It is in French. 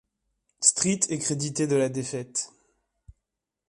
Street est crédité de la défaite.